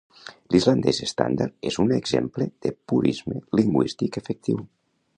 L'islandès estàndard és un exemple de purisme lingüístic efectiu.